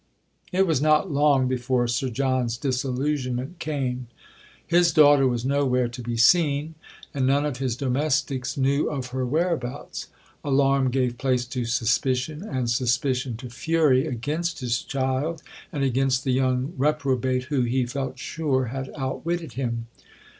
It was not long before Sir John's disillusionment came. His daughter was nowhere to be seen; and none of his domestics knew of her whereabouts. Alarm gave place to suspicion, and suspicion to fury against his child and against the young reprobate who, he felt sure, had outwitted him.